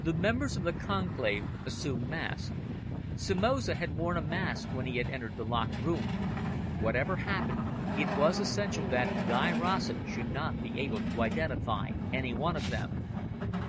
The members of the conclave assumed masks. Somoza had worn a mask when he had entered the locked room. Whatever happened, it was essential that Guy Rossett should not be able to identify any one of them.